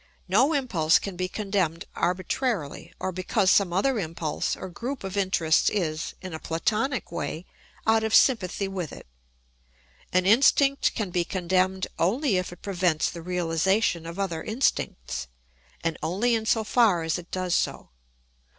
No impulse can be condemned arbitrarily or because some other impulse or group of interests is, in a Platonic way, out of sympathy with it. An instinct can be condemned only if it prevents the realisation of other instincts, and only in so far as it does so.